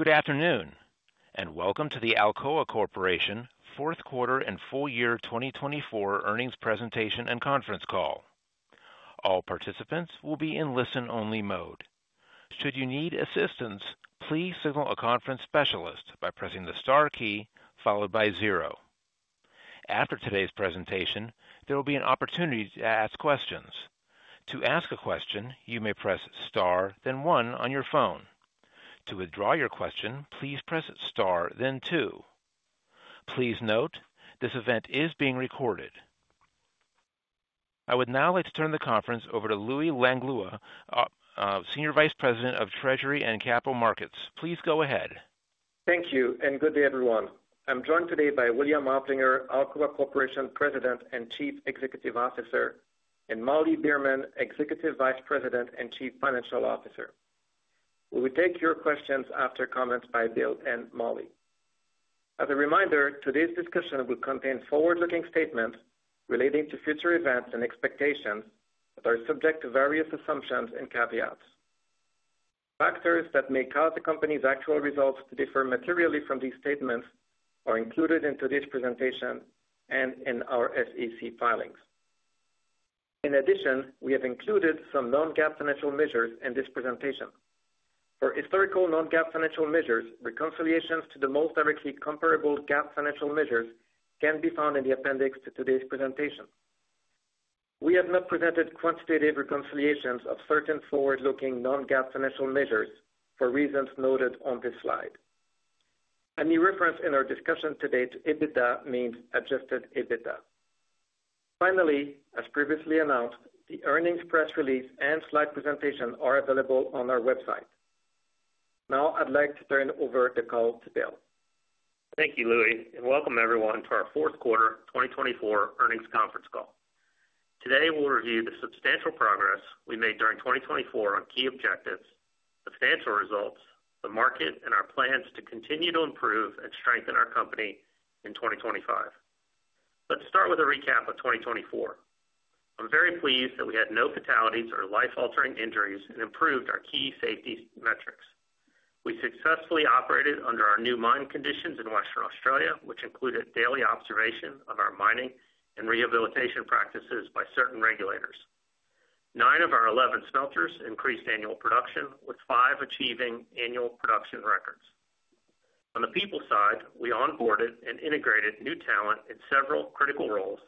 Good afternoon, and welcome to the Alcoa Corporation Fourth Quarter and Full Year 2024 earnings presentation and conference call. All participants will be in listen-only mode. Should you need assistance, please signal a conference specialist by pressing the star key followed by zero. After today's presentation, there will be an opportunity to ask questions. To ask a question, you may press star, then one on your phone. To withdraw your question, please press star, then two. Please note, this event is being recorded. I would now like to turn the conference over to Louis Langlois, Senior Vice President of Treasury and Capital Markets. Please go ahead. Thank you, and good day, everyone. I'm joined today by William Oplinger, Alcoa Corporation President and Chief Executive Officer, and Molly Beerman, Executive Vice President and Chief Financial Officer. We will take your questions after comments by Bill and Molly. As a reminder, today's discussion will contain forward-looking statements relating to future events and expectations that are subject to various assumptions and caveats. Factors that may cause the company's actual results to differ materially from these statements are included in today's presentation and in our SEC filings. In addition, we have included some Non-GAAP financial measures in this presentation. For historical Non-GAAP financial measures, reconciliations to the most directly comparable GAAP financial measures can be found in the appendix to today's presentation. We have not presented quantitative reconciliations of certain forward-looking Non-GAAP financial measures for reasons noted on this slide. Any reference in our discussion today to EBITDA means Adjusted EBITDA. Finally, as previously announced, the earnings press release and slide presentation are available on our website. Now, I'd like to turn over the call to Bill. Thank you, Louis, and welcome everyone to our Fourth Quarter 2024 Earnings Conference Call. Today, we'll review the substantial progress we made during 2024 on key objectives, substantial results, the market, and our plans to continue to improve and strengthen our company in 2025. Let's start with a recap of 2024. I'm very pleased that we had no fatalities or life-altering injuries and improved our key safety metrics. We successfully operated under our new mine conditions in Western Australia, which included daily observation of our mining and rehabilitation practices by certain regulators. Nine of our 11 smelters increased annual production, with five achieving annual production records. On the people side, we onboarded and integrated new talent in several critical roles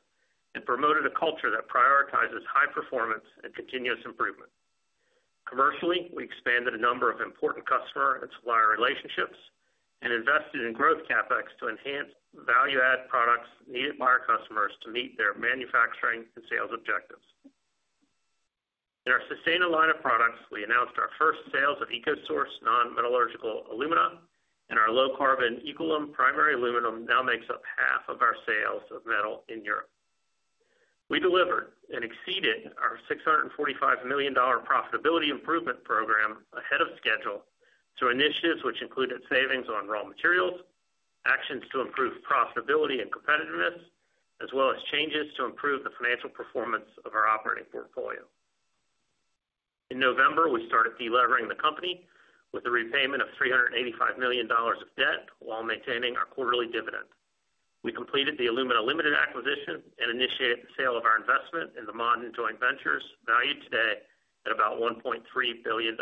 and promoted a culture that prioritizes high performance and continuous improvement. Commercially, we expanded a number of important customer and supplier relationships and invested in growth CapEx to enhance value-add products needed by our customers to meet their manufacturing and sales objectives. In our sustainable line of products, we announced our first sales of EcoSource non-metallurgical alumina, and our low-carbon EcoLum primary aluminum now makes up half of our sales of metal in Europe. We delivered and exceeded our $645 million profitability improvement program ahead of schedule through initiatives which included savings on raw materials, actions to improve profitability and competitiveness, as well as changes to improve the financial performance of our operating portfolio. In November, we started deleveraging the company with a repayment of $385 million of debt while maintaining our quarterly dividend. We completed the Alumina Limited acquisition and initiated the sale of our investment in the Ma'aden joint ventures, valued today at about $1.3 billion.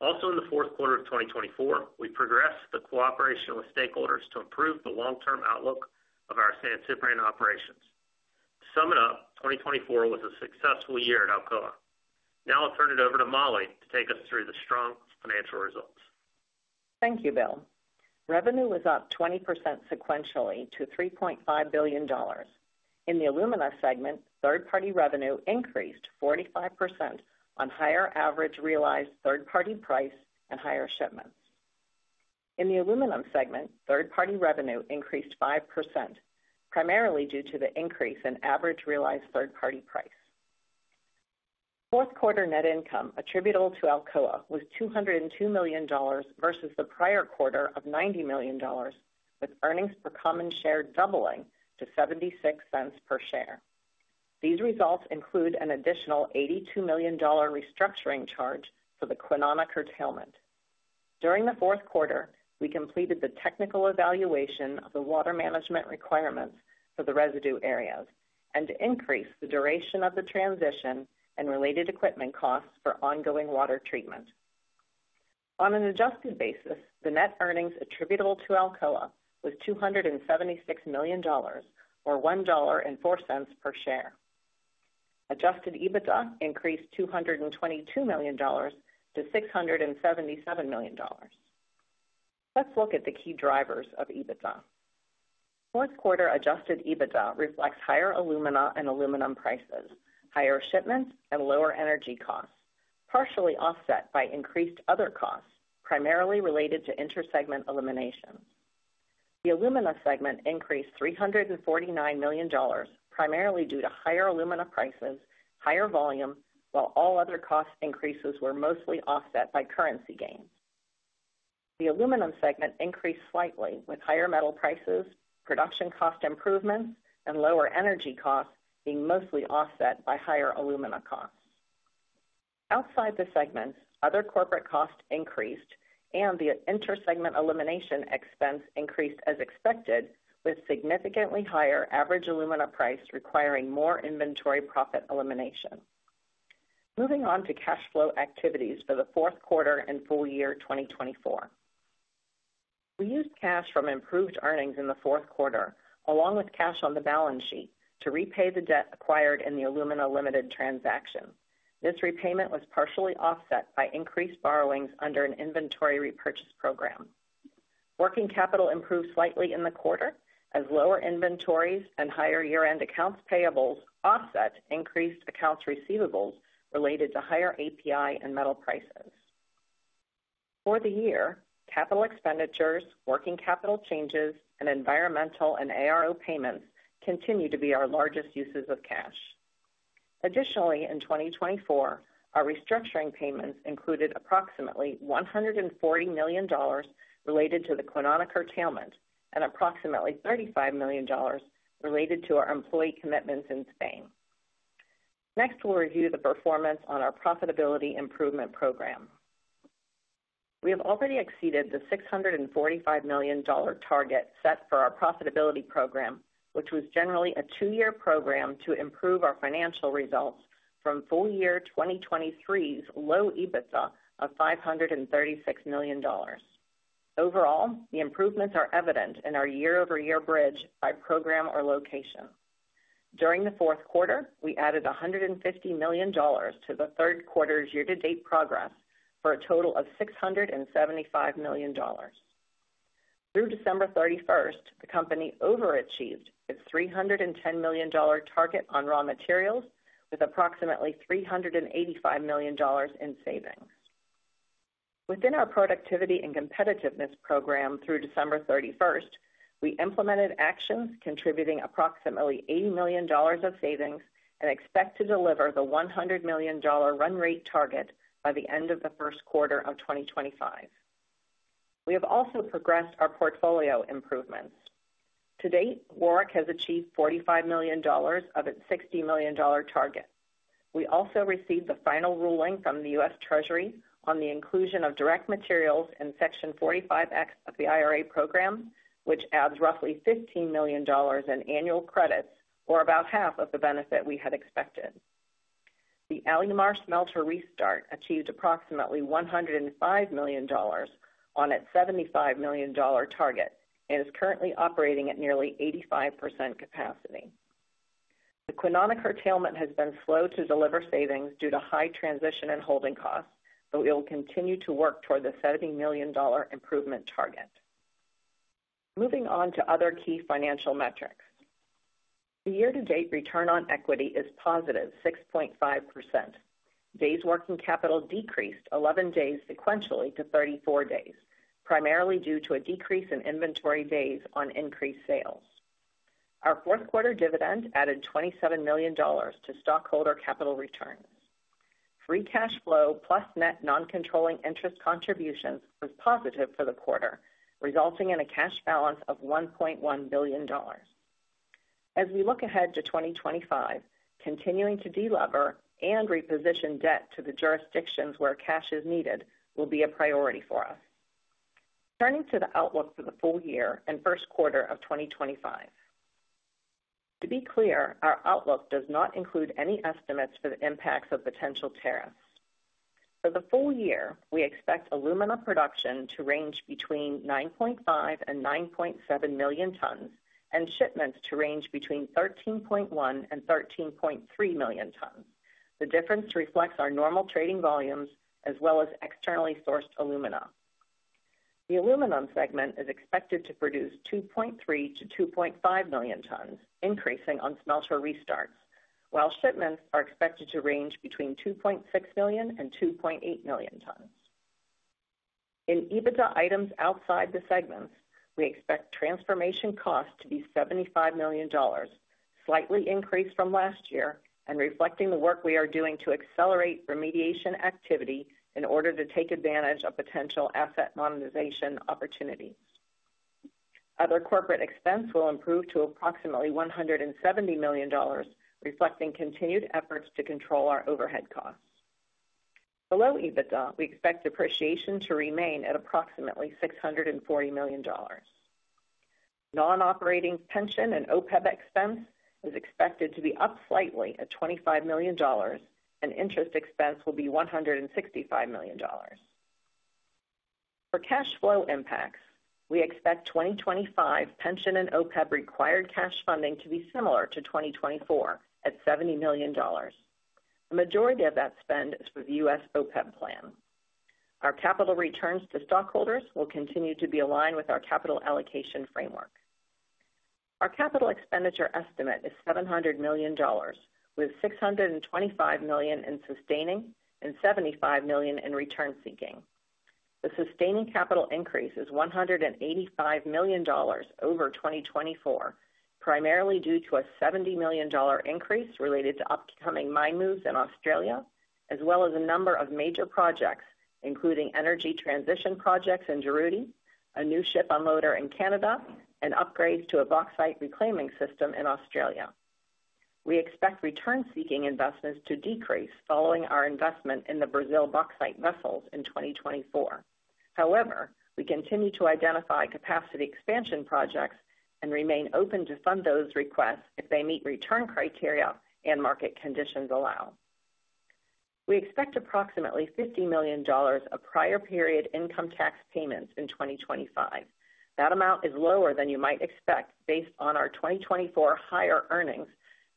Also, in the fourth quarter of 2024, we progressed the cooperation with stakeholders to improve the long-term outlook of our San Ciprián operations. To sum it up, 2024 was a successful year at Alcoa. Now, I'll turn it over to Molly to take us through the strong financial results. Thank you, Bill. Revenue was up 20% sequentially to $3.5 billion. In the alumina segment, third-party revenue increased 45% on higher average realized third-party price and higher shipments. In the aluminum segment, third-party revenue increased 5%, primarily due to the increase in average realized third-party price. Fourth quarter net income attributable to Alcoa was $202 million versus the prior quarter of $90 million, with earnings per common share doubling to $0.76 per share. These results include an additional $82 million restructuring charge for the Kwinana curtailment. During the fourth quarter, we completed the technical evaluation of the water management requirements for the residue areas and increased the duration of the transition and related equipment costs for ongoing water treatment. On an adjusted basis, the net earnings attributable to Alcoa was $276 million, or $1.04 per share. Adjusted EBITDA increased $222 million to $677 million. Let's look at the key drivers of EBITDA. Fourth quarter Adjusted EBITDA reflects higher alumina and aluminum prices, higher shipments, and lower energy costs, partially offset by increased other costs primarily related to intersegment eliminations. The alumina segment increased $349 million, primarily due to higher alumina prices, higher volume, while all other cost increases were mostly offset by currency gains. The aluminum segment increased slightly, with higher metal prices, production cost improvements, and lower energy costs being mostly offset by higher alumina costs. Outside the segments, other corporate costs increased, and the intersegment elimination expense increased as expected, with significantly higher average alumina price requiring more inventory profit elimination. Moving on to cash flow activities for the fourth quarter and full year 2024. We used cash from improved earnings in the fourth quarter, along with cash on the balance sheet, to repay the debt acquired in the Alumina Limited transaction. This repayment was partially offset by increased borrowings under an inventory repurchase program. Working capital improved slightly in the quarter, as lower inventories and higher year-end accounts payables offset increased accounts receivables related to higher API and metal prices. For the year, capital expenditures, working capital changes, and environmental and ARO payments continue to be our largest uses of cash. Additionally, in 2024, our restructuring payments included approximately $140 million related to the Kwinana curtailment and approximately $35 million related to our employee commitments in Spain. Next, we'll review the performance on our profitability improvement program. We have already exceeded the $645 million target set for our profitability program, which was generally a two-year program to improve our financial results from full year 2023's low EBITDA of $536 million. Overall, the improvements are evident in our year-over-year bridge by program or location. During the fourth quarter, we added $150 million to the third quarter's year-to-date progress for a total of $675 million. Through December 31st, the company overachieved its $310 million target on raw materials, with approximately $385 million in savings. Within our productivity and competitiveness program through December 31st, we implemented actions contributing approximately $80 million of savings and expect to deliver the $100 million run rate target by the end of the first quarter of 2025. We have also progressed our portfolio improvements. To date, Warrick has achieved $45 million of its $60 million target. We also received the final ruling from the U.S. Treasury on the inclusion of direct materials in Section 45X of the IRA program, which adds roughly $15 million in annual credits, or about half of the benefit we had expected. The Alumar smelter restart achieved approximately $105 million on its $75 million target and is currently operating at nearly 85% capacity. The Kwinana curtailment has been slow to deliver savings due to high transition and holding costs, but we will continue to work toward the $70 million improvement target. Moving on to other key financial metrics. The year-to-date return on equity is positive, 6.5%. Days working capital decreased 11 days sequentially to 34 days, primarily due to a decrease in inventory days on increased sales. Our fourth quarter dividend added $27 million to stockholder capital returns. Free cash flow net non-controlling interest contributions was positive for the quarter, resulting in a cash balance of $1.1 billion. As we look ahead to 2025, continuing to delever and reposition debt to the jurisdictions where cash is needed will be a priority for us. Turning to the outlook for the full year and first quarter of 2025. To be clear, our outlook does not include any estimates for the impacts of potential tariffs. For the full year, we expect alumina production to range between 9.5 and 9.7 million tons, and shipments to range between 13.1 and 13.3 million tons. The difference reflects our normal trading volumes as well as externally sourced alumina. The aluminum segment is expected to produce 2.3 to 2.5 million tons, increasing on smelter restarts, while shipments are expected to range between 2.6 million and 2.8 million tons. In EBITDA items outside the segments, we expect transformation costs to be $75 million, slightly increased from last year and reflecting the work we are doing to accelerate remediation activity in order to take advantage of potential asset monetization opportunities. Other corporate expense will improve to approximately $170 million, reflecting continued efforts to control our overhead costs. Below EBITDA, we expect depreciation to remain at approximately $640 million. Non-operating pension and OPEB expense is expected to be up slightly at $25 million, and interest expense will be $165 million. For cash flow impacts, we expect 2025 pension and OPEB required cash funding to be similar to 2024 at $70 million. The majority of that spend is for the U.S. OPEB plan. Our capital returns to stockholders will continue to be aligned with our capital allocation framework. Our capital expenditure estimate is $700 million, with $625 million in sustaining and $75 million in return-seeking. The sustaining capital increase is $185 million over 2024, primarily due to a $70 million increase related to upcoming mine moves in Australia, as well as a number of major projects, including energy transition projects in Juruti, a new ship unloader in Canada, and upgrades to a bauxite reclaiming system in Australia. We expect return-seeking investments to decrease following our investment in the Brazil bauxite vessels in 2024. However, we continue to identify capacity expansion projects and remain open to fund those requests if they meet return criteria and market conditions allow. We expect approximately $50 million of prior-period income tax payments in 2025. That amount is lower than you might expect based on our 2024 higher earnings,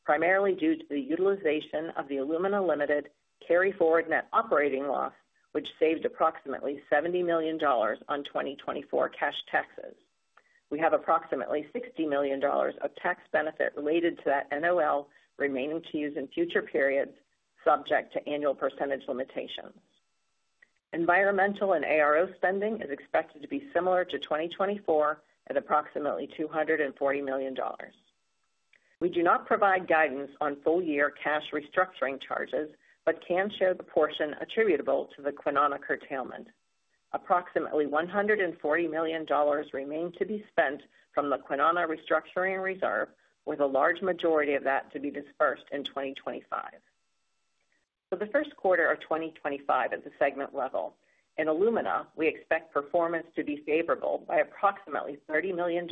primarily due to the utilization of the Alumina Limited carry-forward net operating loss, which saved approximately $70 million on 2024 cash taxes. We have approximately $60 million of tax benefit related to that NOL remaining to use in future periods, subject to annual percentage limitations. Environmental and ARO spending is expected to be similar to 2024 at approximately $240 million. We do not provide guidance on full-year cash restructuring charges, but can show the portion attributable to the Kwinana curtailment. Approximately $140 million remains to be spent from the Kwinana restructuring reserve, with a large majority of that to be dispersed in 2025. For the first quarter of 2025 at the segment level, in alumina, we expect performance to be favorable by approximately $30 million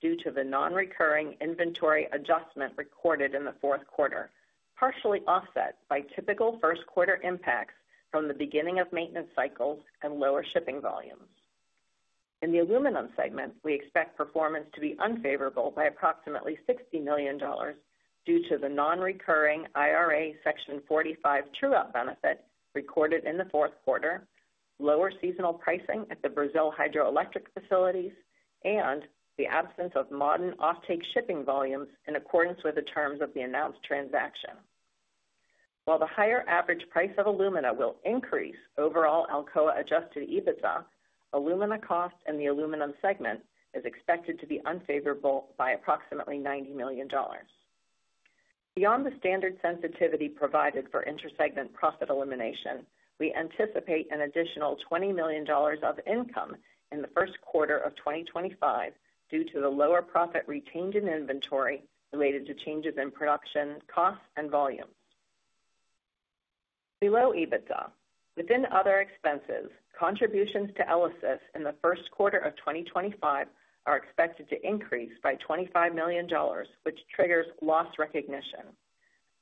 due to the non-recurring inventory adjustment recorded in the fourth quarter, partially offset by typical first quarter impacts from the beginning of maintenance cycles and lower shipping volumes. In the aluminum segment, we expect performance to be unfavorable by approximately $60 million due to the non-recurring IRA Section 45X true-up benefit recorded in the fourth quarter, lower seasonal pricing at the Brazil hydroelectric facilities, and the absence of Ma'aden offtake shipping volumes in accordance with the terms of the announced transaction. While the higher average price of alumina will increase overall Alcoa Adjusted EBITDA, alumina cost in the aluminum segment is expected to be unfavorable by approximately $90 million. Beyond the standard sensitivity provided for intersegment profit elimination, we anticipate an additional $20 million of income in the first quarter of 2025 due to the lower profit retained in inventory related to changes in production costs and volumes. Below EBITDA, within other expenses, contributions to ELYSIS in the first quarter of 2025 are expected to increase by $25 million, which triggers loss recognition.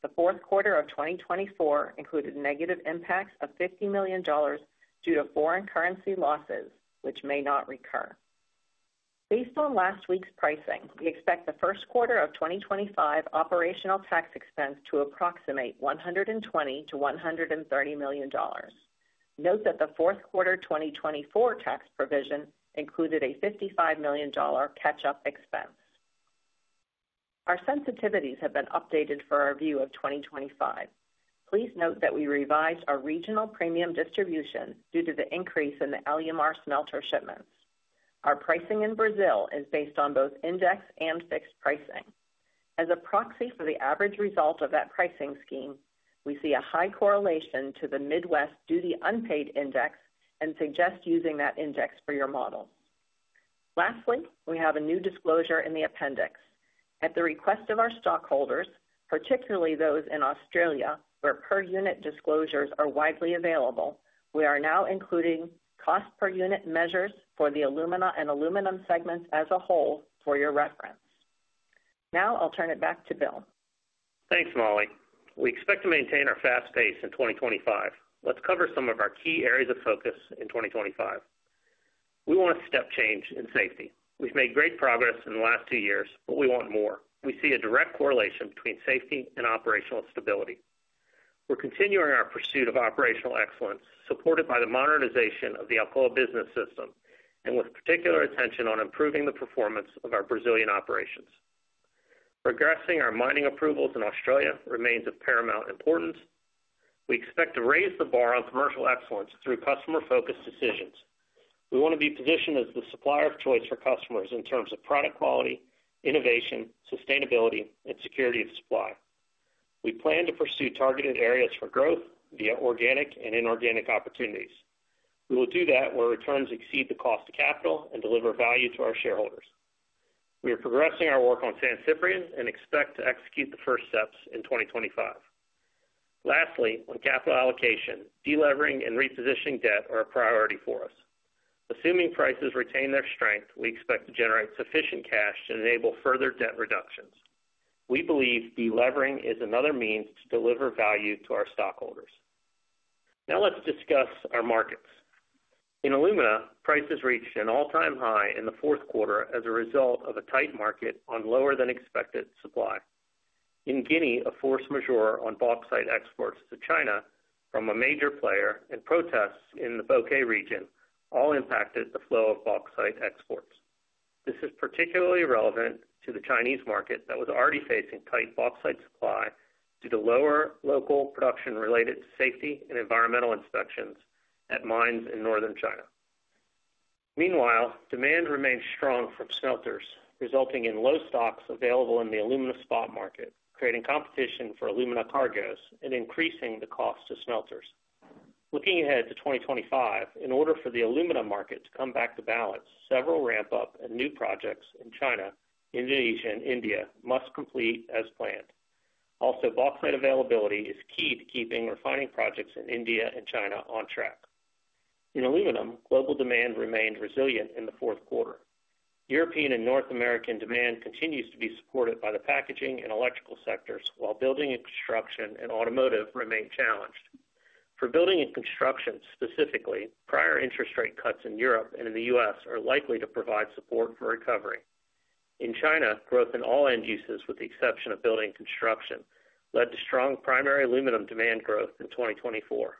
The fourth quarter of 2024 included negative impacts of $50 million due to foreign currency losses, which may not recur. Based on last week's pricing, we expect the first quarter of 2025 operational tax expense to approximate $120 million-$130 million. Note that the fourth quarter 2024 tax provision included a $55 million catch-up expense. Our sensitivities have been updated for our view of 2025. Please note that we revised our regional premium distribution due to the increase in the Alumar smelter shipments. Our pricing in Brazil is based on both index and fixed pricing. As a proxy for the average result of that pricing scheme, we see a high correlation to the Midwest Duty Unpaid Index and suggest using that index for your model. Lastly, we have a new disclosure in the appendix. At the request of our stockholders, particularly those in Australia where per-unit disclosures are widely available, we are now including cost per unit measures for the alumina and aluminum segments as a whole for your reference. Now I'll turn it back to Bill. Thanks, Molly. We expect to maintain our fast pace in 2025. Let's cover some of our key areas of focus in 2025. We want a step change in safety. We've made great progress in the last two years, but we want more. We see a direct correlation between safety and operational stability. We're continuing our pursuit of operational excellence, supported by the modernization of the Alcoa Business System and with particular attention on improving the performance of our Brazilian operations. Progressing our mining approvals in Australia remains of paramount importance. We expect to raise the bar on commercial excellence through customer-focused decisions. We want to be positioned as the supplier of choice for customers in terms of product quality, innovation, sustainability, and security of supply. We plan to pursue targeted areas for growth via organic and inorganic opportunities. We will do that where returns exceed the cost of capital and deliver value to our shareholders. We are progressing our work on San Ciprián and expect to execute the first steps in 2025. Lastly, on capital allocation, delevering and repositioning debt are a priority for us. Assuming prices retain their strength, we expect to generate sufficient cash to enable further debt reductions. We believe delevering is another means to deliver value to our stockholders. Now let's discuss our markets. In alumina, prices reached an all-time high in the fourth quarter as a result of a tight market on lower-than-expected supply. In Guinea, a force majeure on bauxite exports to China from a major player and protests in the Boké region all impacted the flow of bauxite exports. This is particularly relevant to the Chinese market that was already facing tight bauxite supply due to lower local production related to safety and environmental inspections at mines in northern China. Meanwhile, demand remains strong from smelters, resulting in low stocks available in the alumina spot market, creating competition for alumina cargoes and increasing the cost to smelters. Looking ahead to 2025, in order for the alumina market to come back to balance, several ramp-up and new projects in China, Indonesia, and India must complete as planned. Also, bauxite availability is key to keeping refining projects in India and China on track. In aluminum, global demand remained resilient in the fourth quarter. European and North American demand continues to be supported by the packaging and electrical sectors, while building and construction and automotive remain challenged. For building and construction specifically, prior interest rate cuts in Europe and in the U.S. are likely to provide support for recovery. In China, growth in all end uses, with the exception of building and construction, led to strong primary aluminum demand growth in 2024.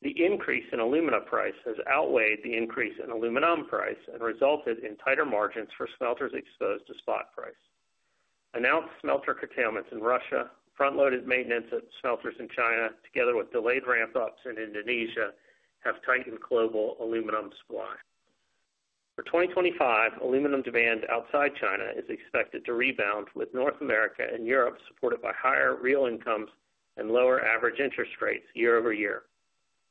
The increase in alumina price has outweighed the increase in aluminum price and resulted in tighter margins for smelters exposed to spot price. Announced smelter curtailments in Russia, front-loaded maintenance at smelters in China, together with delayed ramp-ups in Indonesia, have tightened global aluminum supply. For 2025, aluminum demand outside China is expected to rebound, with North America and Europe supported by higher real incomes and lower average interest rates year-over-year.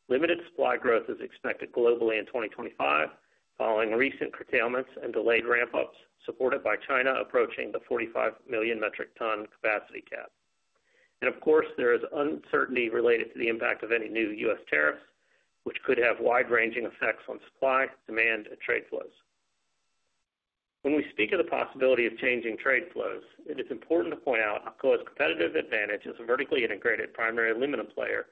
Limited supply growth is expected globally in 2025, following recent curtailments and delayed ramp-ups supported by China approaching the 45 million metric ton capacity cap. And of course, there is uncertainty related to the impact of any new U.S. tariffs, which could have wide-ranging effects on supply, demand, and trade flows. When we speak of the possibility of changing trade flows, it is important to point out Alcoa's competitive advantage as a vertically integrated primary aluminum player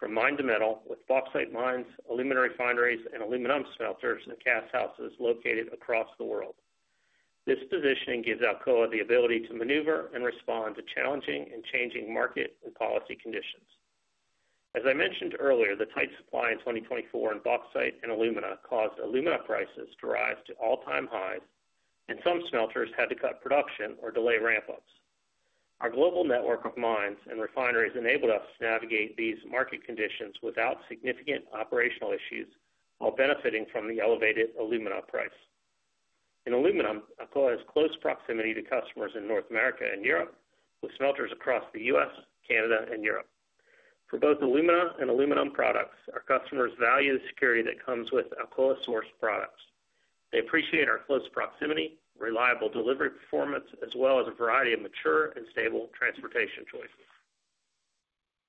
from mine to metal, with bauxite mines, alumina refineries, and aluminum smelters and casthouses located across the world. This positioning gives Alcoa the ability to maneuver and respond to challenging and changing market and policy conditions. As I mentioned earlier, the tight supply in 2024 in bauxite and alumina caused alumina prices to rise to all-time highs, and some smelters had to cut production or delay ramp-ups. Our global network of mines and refineries enabled us to navigate these market conditions without significant operational issues while benefiting from the elevated alumina price. In aluminum, Alcoa has close proximity to customers in North America and Europe, with smelters across the U.S., Canada, and Europe. For both alumina and aluminum products, our customers value the security that comes with Alcoa-sourced products. They appreciate our close proximity, reliable delivery performance, as well as a variety of mature and stable transportation choices.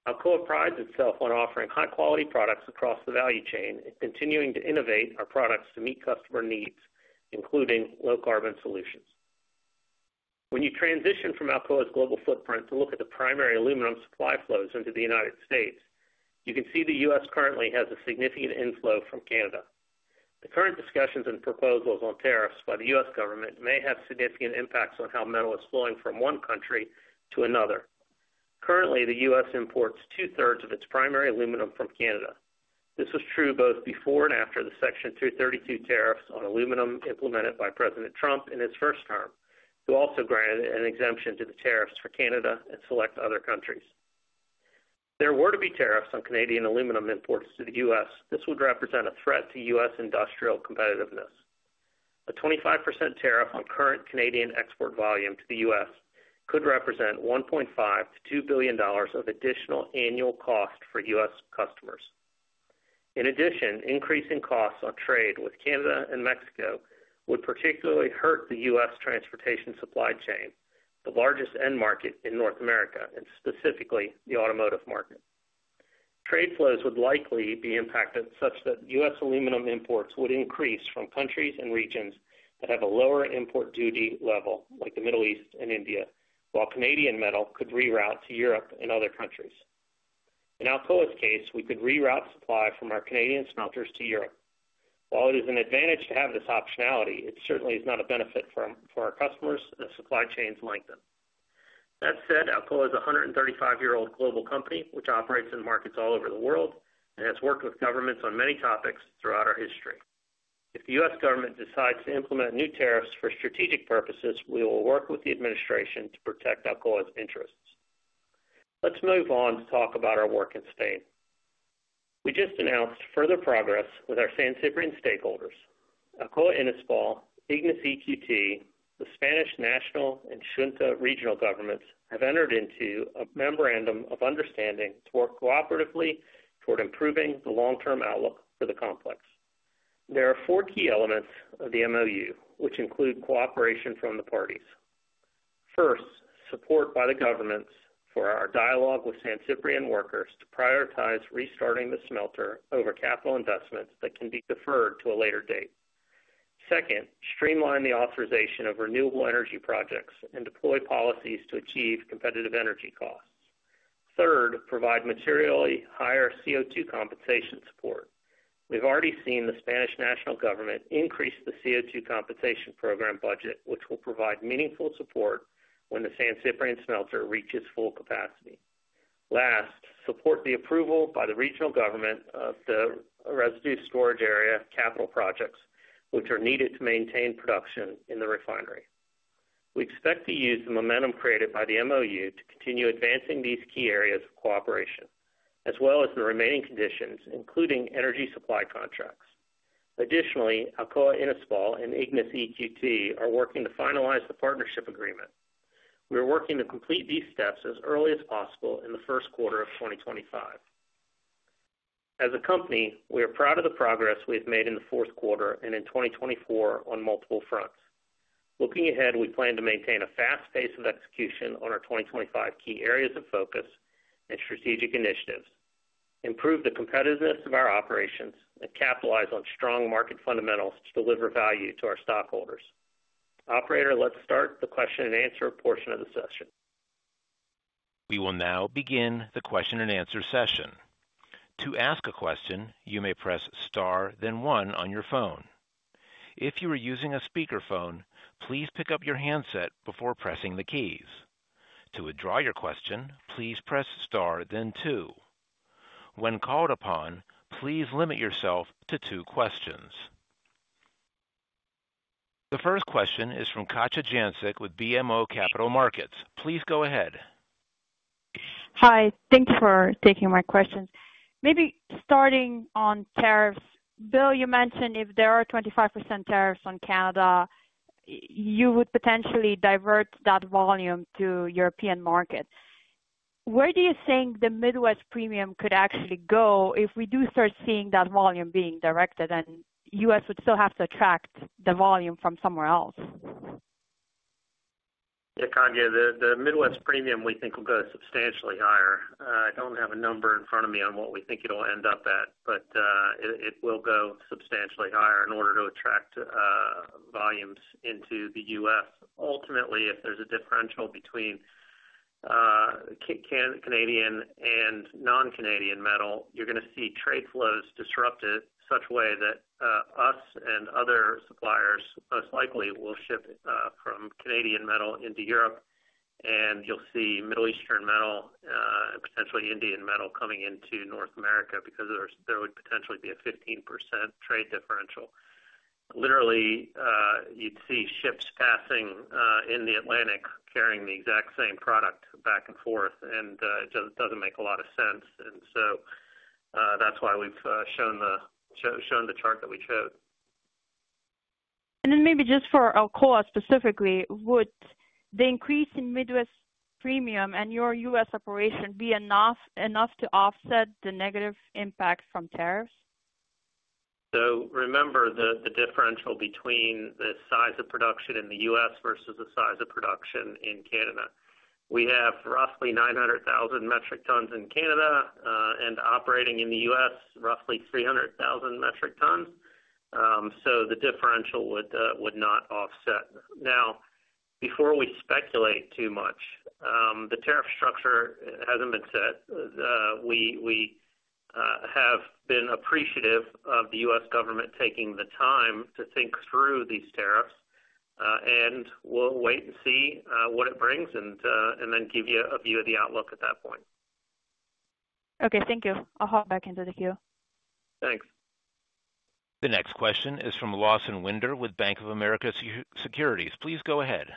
Alcoa prides itself on offering high-quality products across the value chain and continuing to innovate our products to meet customer needs, including low-carbon solutions. When you transition from Alcoa's global footprint to look at the primary aluminum supply flows into the United States, you can see the U.S. currently has a significant inflow from Canada. The current discussions and proposals on tariffs by the U.S. government may have significant impacts on how metal is flowing from one country to another. Currently, the U.S. imports two-thirds of its primary aluminum from Canada. This was true both before and after the Section 232 tariffs on aluminum implemented by President Trump in his first term, who also granted an exemption to the tariffs for Canada and select other countries. If there were to be tariffs on Canadian aluminum imports to the U.S., this would represent a threat to U.S. industrial competitiveness. A 25% tariff on current Canadian export volume to the U.S. could represent $1.5 million-$2 billion of additional annual cost for U.S. customers. In addition, increasing costs on trade with Canada and Mexico would particularly hurt the U.S. transportation supply chain, the largest end market in North America, and specifically the automotive market. Trade flows would likely be impacted such that U.S. Aluminum imports would increase from countries and regions that have a lower import duty level, like the Middle East and India, while Canadian metal could reroute to Europe and other countries. In Alcoa's case, we could reroute supply from our Canadian smelters to Europe. While it is an advantage to have this optionality, it certainly is not a benefit for our customers as supply chains lengthen. That said, Alcoa is a 135-year-old global company which operates in markets all over the world and has worked with governments on many topics throughout our history. If the U.S. government decides to implement new tariffs for strategic purposes, we will work with the administration to protect Alcoa's interests. Let's move on to talk about our work in Spain. We just announced further progress with our San Ciprián stakeholders. Alcoa Inespal, IGNIS Equity, the Spanish national and Xunta regional governments have entered into a memorandum of understanding to work cooperatively toward improving the long-term outlook for the complex. There are four key elements of the MoU, which include cooperation from the parties. First, support by the governments for our dialogue with San Ciprián workers to prioritize restarting the smelter over capital investments that can be deferred to a later date. Second, streamline the authorization of renewable energy projects and deploy policies to achieve competitive energy costs. Third, provide materially higher CO2 compensation support. We've already seen the Spanish national government increase the CO2 compensation program budget, which will provide meaningful support when the San Ciprián smelter reaches full capacity. Last, support the approval by the regional government of the residue storage area capital projects, which are needed to maintain production in the refinery. We expect to use the momentum created by the MoU to continue advancing these key areas of cooperation, as well as the remaining conditions, including energy supply contracts. Additionally, Alcoa Inespal and IGNIS Equity are working to finalize the partnership agreement. We are working to complete these steps as early as possible in the first quarter of 2025. As a company, we are proud of the progress we have made in the fourth quarter and in 2024 on multiple fronts. Looking ahead, we plan to maintain a fast pace of execution on our 2025 key areas of focus and strategic initiatives, improve the competitiveness of our operations, and capitalize on strong market fundamentals to deliver value to our stockholders. Operator, let's start the question and answer portion of the session. We will now begin the question-and-answer session. To ask a question, you may press Star, then One on your phone. If you are using a speakerphone, please pick up your handset before pressing the keys. To withdraw your question, please press Star, then Two. When called upon, please limit yourself to two questions. The first question is from Katja Jancic with BMO Capital Markets. Please go ahead. Hi. Thank you for taking my questions. Maybe starting on tariffs. Bill, you mentioned if there are 25% tariffs on Canada, you would potentially divert that volume to the European market. Where do you think the Midwest premium could actually go if we do start seeing that volume being directed and the U.S. would still have to attract the volume from somewhere else? Yeah, Katja, the Midwest premium we think will go substantially higher. I don't have a number in front of me on what we think it'll end up at, but it will go substantially higher in order to attract volumes into the U.S. Ultimately, if there's a differential between Canadian and non-Canadian metal, you're going to see trade flows disrupted in such a way that U.S. and other suppliers most likely will ship from Canadian metal into Europe, and you'll see Middle Eastern metal and potentially Indian metal coming into North America because there would potentially be a 15% trade differential. Literally, you'd see ships passing in the Atlantic carrying the exact same product back and forth, and it doesn't make a lot of sense. And so that's why we've shown the chart that we chose. And then maybe just for Alcoa specifically, would the increase in Midwest premium and your U.S. operation be enough to offset the negative impact from tariffs? So remember the differential between the size of production in the U.S. versus the size of production in Canada. We have roughly 900,000 metric tons in Canada and operating in the U.S., roughly 300,000 metric tons. So the differential would not offset. Now, before we speculate too much, the tariff structure hasn't been set. We have been appreciative of the U.S. government taking the time to think through these tariffs, and we'll wait and see what it brings and then give you a view of the outlook at that point. Okay, thank you. I'll hop back into the queue. Thanks. The next question is from Lawson Winder with Bank of America Securities. Please go ahead.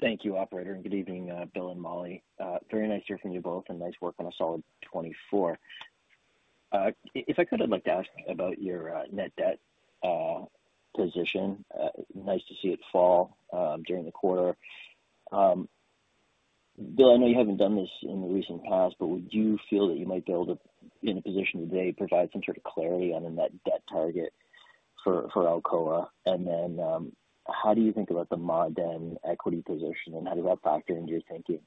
Thank you, Operator, and good evening, Bill and Molly. Very nice to hear from you both and nice work on a solid 24. If I could, I'd like to ask about your net debt position. Nice to see it fall during the quarter. Bill, I know you haven't done this in the recent past, but would you feel that you might be able to, in a position today, provide some sort of clarity on a net debt target for Alcoa? And then how do you think about the Ma'aden equity position, and how does that factor into your thinking?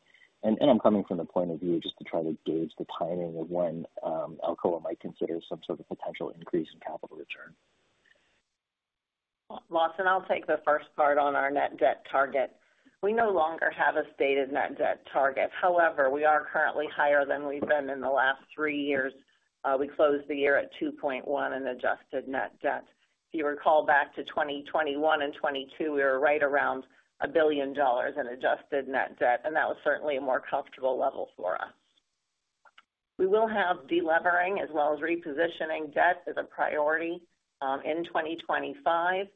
And I'm coming from the point of view just to try to gauge the timing of when Alcoa might consider some sort of potential increase in capital return. Lawson, I'll take the first part on our net debt target. We no longer have a stated net debt target. However, we are currently higher than we've been in the last three years. We closed the year at 2.1 in adjusted net debt. If you recall back to 2021 and 2022, we were right around $1 billion in adjusted net debt, and that was certainly a more comfortable level for us. We will have delevering as well as repositioning debt as a priority in 2025.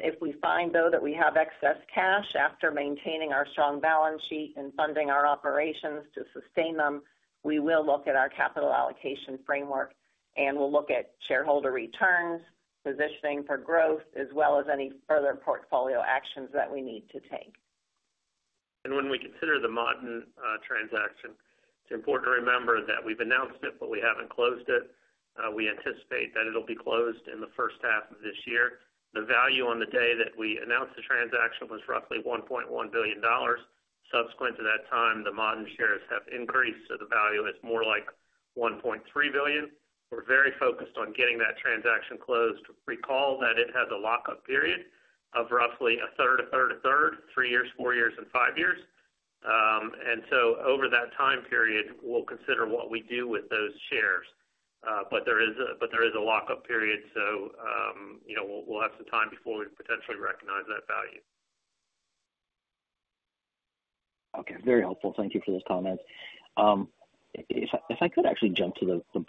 If we find, though, that we have excess cash after maintaining our strong balance sheet and funding our operations to sustain them, we will look at our capital allocation framework and we'll look at shareholder returns, positioning for growth, as well as any further portfolio actions that we need to take. And when we consider the Ma'aden transaction, it's important to remember that we've announced it, but we haven't closed it. We anticipate that it'll be closed in the first half of this year. The value on the day that we announced the transaction was roughly $1.1 billion. Subsequent to that time, the Ma'aden shares have increased, so the value is more like $1.3 billion. We're very focused on getting that transaction closed. Recall that it has a lockup period of roughly a third, a third, a third, three years, four years, and five years. So over that time period, we'll consider what we do with those shares. But there is a lockup period, so we'll have some time before we potentially recognize that value. Okay, very helpful. Thank you for those comments. If I could actually jump to the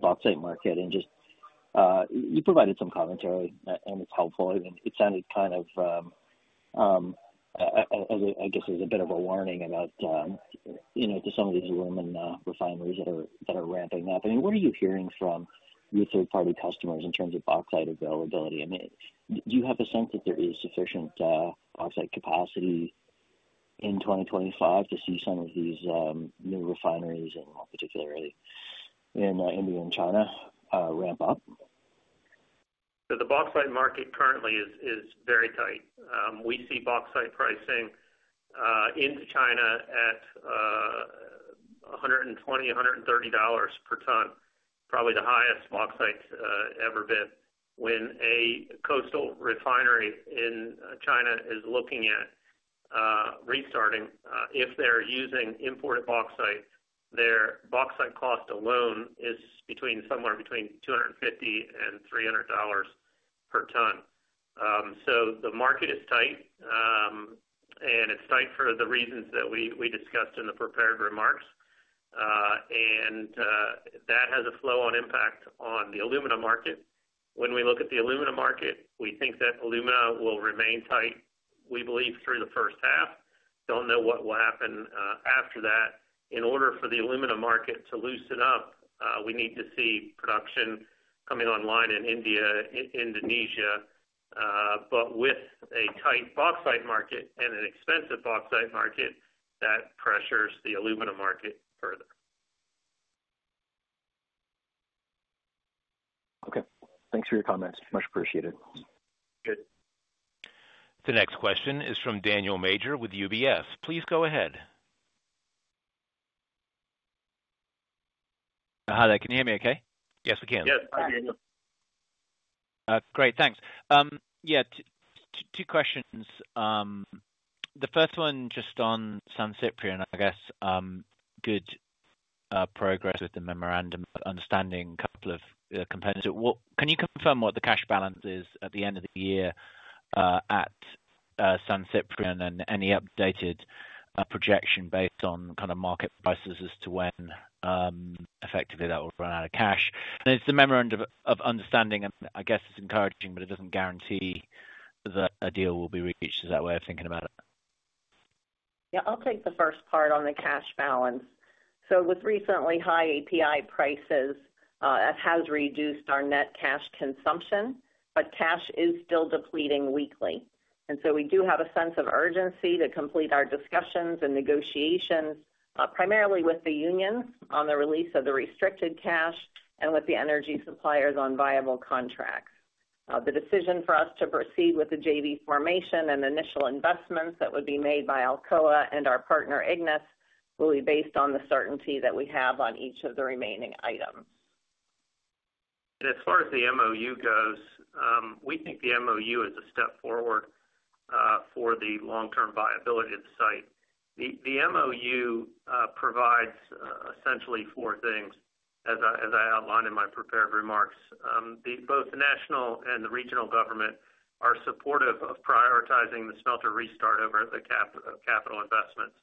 bauxite market and just you provided some commentary, and it's helpful. It sounded kind of, I guess, as a bit of a warning about some of these aluminum refineries that are ramping up. I mean, what are you hearing from your third-party customers in terms of bauxite availability? I mean, do you have a sense that there is sufficient bauxite capacity in 2025 to see some of these new refineries in particularly India and China ramp up? So the bauxite market currently is very tight. We see bauxite pricing into China at $120-$130 per ton, probably the highest bauxite ever been. When a coastal refinery in China is looking at restarting, if they're using imported bauxite, their bauxite cost alone is somewhere between $250-$300 per ton. So the market is tight, and it's tight for the reasons that we discussed in the prepared remarks. That has a flow-on impact on the aluminum market. When we look at the aluminum market, we think that aluminum will remain tight, we believe, through the first half. Don't know what will happen after that. In order for the aluminum market to loosen up, we need to see production coming online in India, Indonesia. But with a tight bauxite market and an expensive bauxite market, that pressures the aluminum market further. Okay. Thanks for your comments. Much appreciated. Good. The next question is from Daniel Major with UBS. Please go ahead. Hi, there. Can you hear me okay? Yes, we can. Yes. Hi, Daniel. Great. Thanks. Yeah, two questions. The first one just on San Ciprián, I guess, good progress with the memorandum, but understanding a couple of components. Can you confirm what the cash balance is at the end of the year at San Ciprián and any updated projection based on kind of market prices as to when effectively that will run out of cash? And it's the memorandum of understanding, and I guess it's encouraging, but it doesn't guarantee that a deal will be reached. Is that a way of thinking about it? Yeah, I'll take the first part on the cash balance. So with recently high alumina prices, that has reduced our net cash consumption, but cash is still depleting weekly. And so we do have a sense of urgency to complete our discussions and negotiations, primarily with the unions on the release of the restricted cash and with the energy suppliers on viable contracts. The decision for us to proceed with the JV formation and initial investments that would be made by Alcoa and our partner IGNIS will be based on the certainty that we have on each of the remaining items. As far as the MoU goes, we think the MoU is a step forward for the long-term viability of the site. The MoU provides essentially four things, as I outlined in my prepared remarks. Both the national and the regional government are supportive of prioritizing the smelter restart over the capital investments.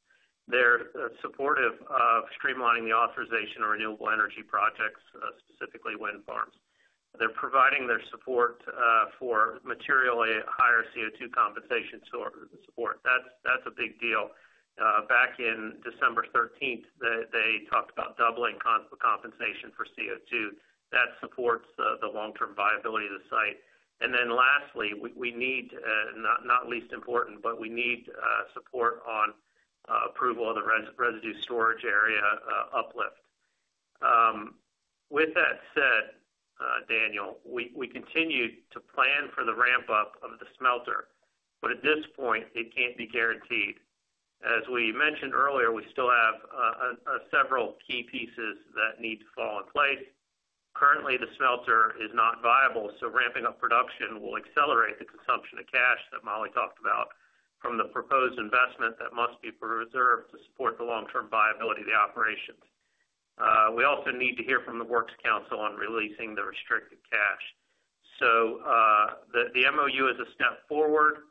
They're supportive of streamlining the authorization of renewable energy projects, specifically wind farms. They're providing their support for materially higher CO2 compensation support. That's a big deal. Back in December 13th, they talked about doubling compensation for CO2. That supports the long-term viability of the site. And then lastly, we need, not least important, but we need support on approval of the residue storage area uplift. With that said, Daniel, we continue to plan for the ramp-up of the smelter, but at this point, it can't be guaranteed. As we mentioned earlier, we still have several key pieces that need to fall in place. Currently, the smelter is not viable, so ramping up production will accelerate the consumption of cash that Molly talked about from the proposed investment that must be reserved to support the long-term viability of the operations. We also need to hear from the Works Council on releasing the restricted cash. So the MoU is a step forward,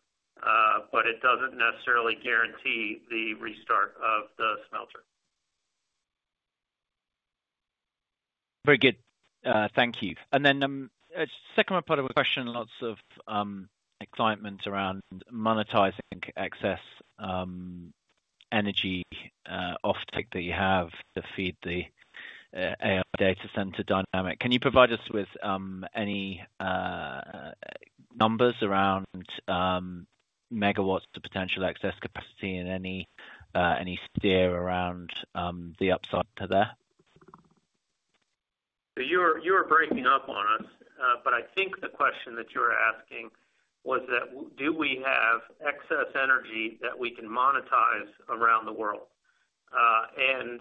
but it doesn't necessarily guarantee the restart of the smelter. Very good. Thank you. And then second part of my question, lots of excitement around monetizing excess energy offtake that you have to feed the AI data center dynamic. Can you provide us with any numbers around megawatts of potential excess capacity and any steer around the upside to there? You are breaking up on us, but I think the question that you were asking was that do we have excess energy that we can monetize around the world? And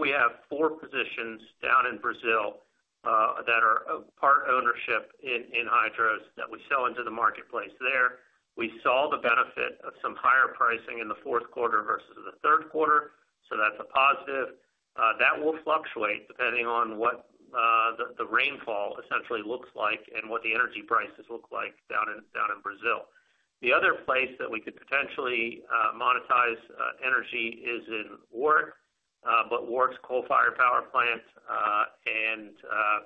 we have four positions down in Brazil that are part ownership in hydros that we sell into the marketplace there. We saw the benefit of some higher pricing in the fourth quarter versus the third quarter, so that's a positive. That will fluctuate depending on what the rainfall essentially looks like and what the energy prices look like down in Brazil. The other place that we could potentially monetize energy is in Warrick, but Warrick's coal-fired power plant, and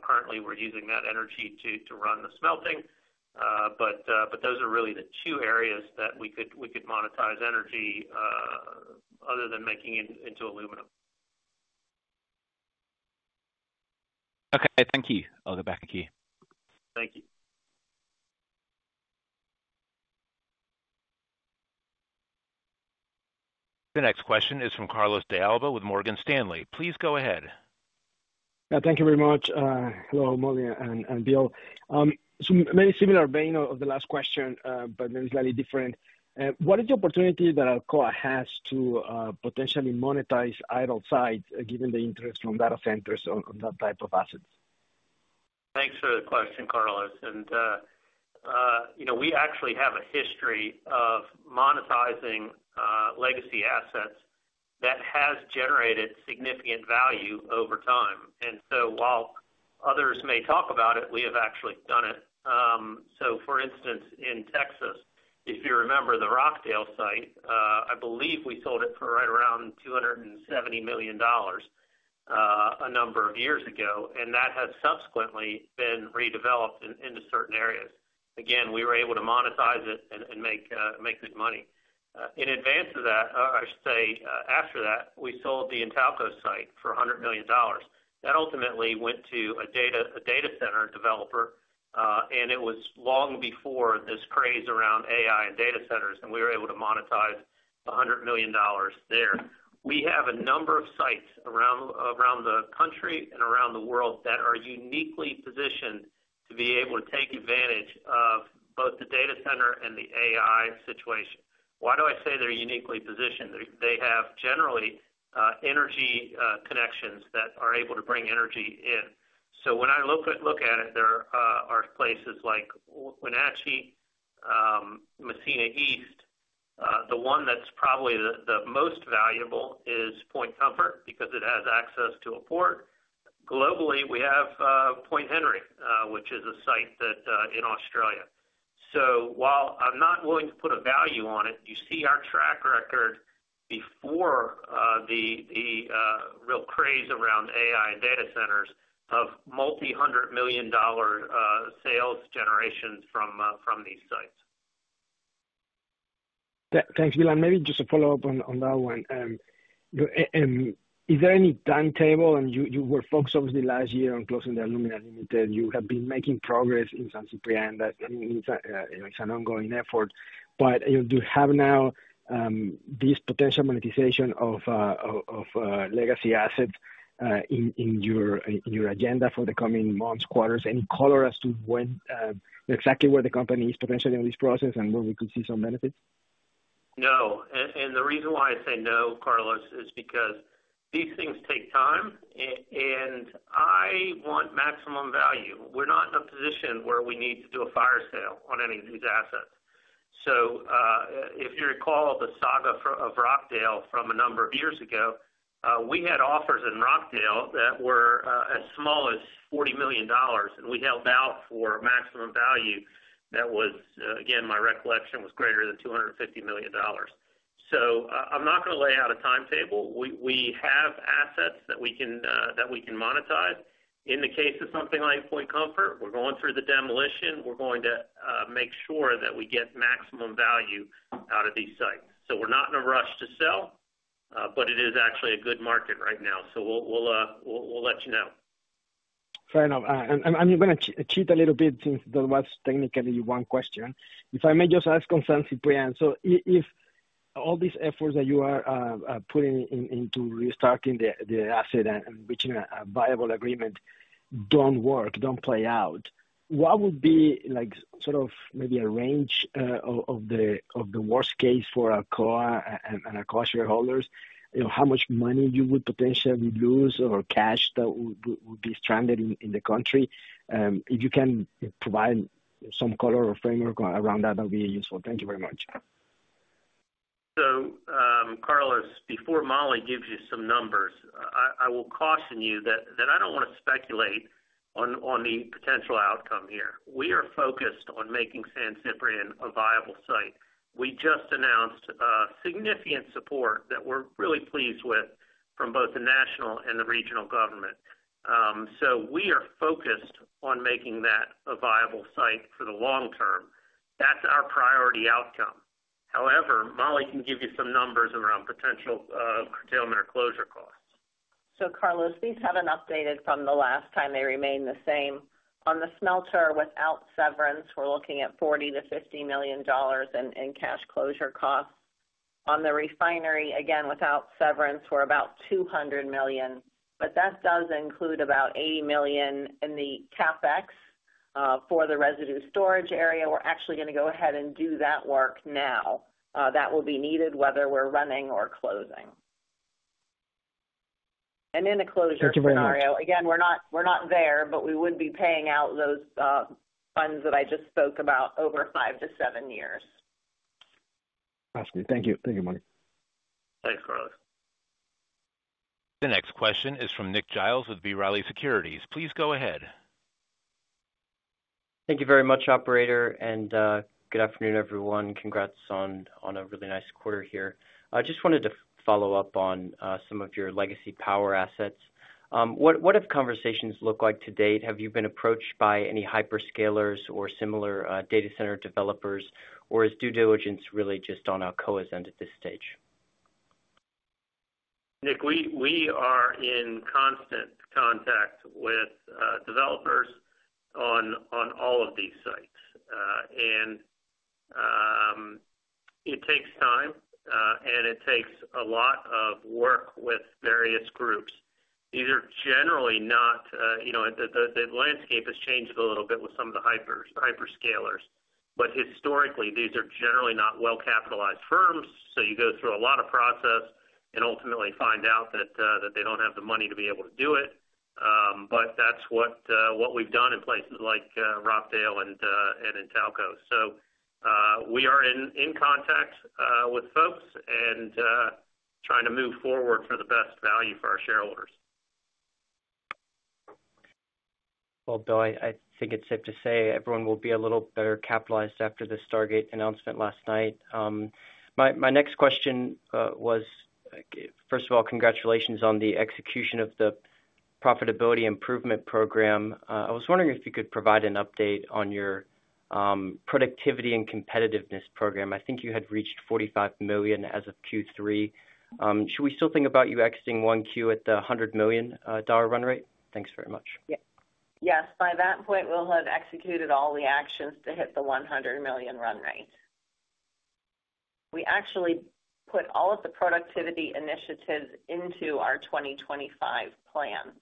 currently we're using that energy to run the smelting. But those are really the two areas that we could monetize energy other than making into aluminum. Okay. Thank you. I'll go back to you. Thank you. The next question is from Carlos De Alba with Morgan Stanley. Please go ahead. Thank you very much. Hello, Molly and Bill. In a similar vein of the last question, but then slightly different. What is the opportunity that Alcoa has to potentially monetize idle site given the interest from data centers on that type of assets? Thanks for the question, Carlos. We actually have a history of monetizing legacy assets that has generated significant value over time. So while others may talk about it, we have actually done it. So for instance, in Texas, if you remember the Rockdale site, I believe we sold it for right around $270 million a number of years ago, and that has subsequently been redeveloped into certain areas. Again, we were able to monetize it and make good money. In advance of that, or I should say after that, we sold the Intalco site for $100 million. That ultimately went to a data center developer, and it was long before this craze around AI and data centers, and we were able to monetize $100 million there. We have a number of sites around the country and around the world that are uniquely positioned to be able to take advantage of both the data center and the AI situation. Why do I say they're uniquely positioned? They have generally energy connections that are able to bring energy in. So when I look at it, there are places like Wenatchee, Massena East. The one that's probably the most valuable is Point Comfort because it has access to a port. Globally, we have Point Henry, which is a site in Australia. So while I'm not willing to put a value on it, you see our track record before the real craze around AI and data centers of multi-hundred million dollar sales generations from these sites. Thanks, William. Maybe just a follow-up on that one. Is there any timetable? And you were focused obviously last year on closing the Alumina Limited. You have been making progress in San Ciprián. It's an ongoing effort. But do you have now this potential monetization of legacy assets in your agenda for the coming months, quarters? Any color as to exactly where the company is potentially in this process and where we could see some benefits? No. And the reason why I say no, Carlos, is because these things take time, and I want maximum value. We're not in a position where we need to do a fire sale on any of these assets. So if you recall the saga of Rockdale from a number of years ago, we had offers in Rockdale that were as small as $40 million, and we held out for maximum value that was, again, my recollection, was greater than $250 million. So I'm not going to lay out a timetable. We have assets that we can monetize. In the case of something like Point Comfort, we're going through the demolition. We're going to make sure that we get maximum value out of these sites. So we're not in a rush to sell, but it is actually a good market right now. So we'll let you know. Fair enough. And I'm going to cheat a little bit since that was technically one question. If I may just ask on San Ciprián, so if all these efforts that you are putting into restarting the asset and reaching a viable agreement don't work, don't play out, what would be sort of maybe a range of the worst case for Alcoa and Alcoa shareholders? How much money you would potentially lose or cash that would be stranded in the country? If you can provide some color or framework around that, that would be useful. Thank you very much. So Carlos, before Molly gives you some numbers, I will caution you that I don't want to speculate on the potential outcome here. We are focused on making San Ciprián a viable site. We just announced significant support that we're really pleased with from both the national and the regional government. So we are focused on making that a viable site for the long term. That's our priority outcome. However, Molly can give you some numbers around potential curtailment or closure costs. So Carlos, these haven't updated from the last time. They remain the same. On the smelter without severance, we're looking at $40 Million-$50 million in cash closure costs. On the refinery, again, without severance, we're about $200 million. But that does include about $80 million in the CapEx for the residue storage area. We're actually going to go ahead and do that work now. That will be needed whether we're running or closing. And in the closure scenario, again, we're not there, but we would be paying out those funds that I just spoke about over five to seven years. Fascinating. Thank you. Thank you, Molly. Thanks, Carlos. The next question is from Lucas Pipes with B. Riley Securities. Please go ahead. Thank you very much, operator. And good afternoon, everyone. Congrats on a really nice quarter here. I just wanted to follow up on some of your legacy power assets. What have conversations looked like to date? Have you been approached by any hyperscalers or similar data center developers, or is due diligence really just on Alcoa's end at this stage? Luke, we are in constant contact with developers on all of these sites, and it takes time, and it takes a lot of work with various groups. These are generally not. The landscape has changed a little bit with some of the hyperscalers, but historically, these are generally not well-capitalized firms, so you go through a lot of process and ultimately find out that they don't have the money to be able to do it, but that's what we've done in places like Rockdale and Intalco. We are in contact with folks and trying to move forward for the best value for our shareholders. Bill, I think it's safe to say everyone will be a little better capitalized after the Stargate announcement last night. My next question was, first of all, congratulations on the execution of the profitability improvement program. I was wondering if you could provide an update on your productivity and competitiveness program. I think you had reached $45 million as of Q3. Should we still think about you exiting Q1 at the $100 million run rate? Thanks very much. Yes. By that point, we'll have executed all the actions to hit the $100 million run rate. We actually put all of the productivity initiatives into our 2025 plan.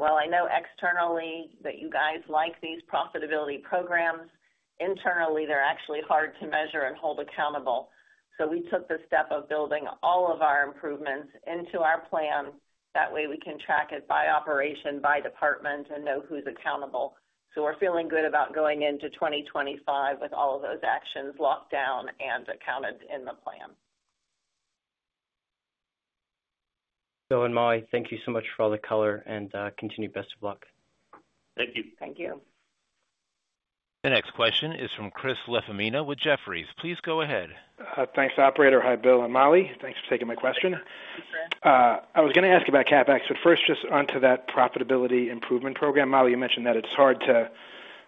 While I know externally that you guys like these profitability programs, internally, they're actually hard to measure and hold accountable. So we took the step of building all of our improvements into our plan. That way, we can track it by operation, by department, and know who's accountable. So we're feeling good about going into 2025 with all of those actions locked down and accounted in the plan. Bill and Molly, thank you so much for all the color and continue best of luck. Thank you. Thank you. The next question is from Chris LaFemina with Jefferies. Please go ahead. Thanks, operator. Hi, Bill and Molly. Thanks for taking my question. I was going to ask about CapEx, but first, just onto that profitability improvement program. Molly, you mentioned that it's hard to